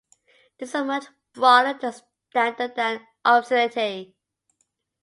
This is a much broader standard than obscenity.